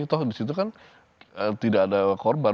toh di situ kan tidak ada korban